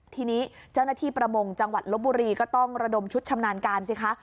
ทีนี้เจ้าหน้าที่ประมงจังหวัดลบบุรีก็ต้องระดมชุดชำนาญการสิคะ